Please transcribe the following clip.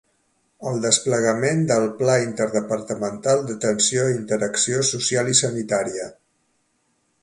El desplegament del Pla interdepartamental d'atenció i interacció social i sanitària.